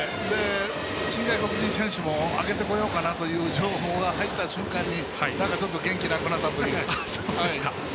新外国人選手も上げてこようかなという情報も入った瞬間に元気がなくなったという。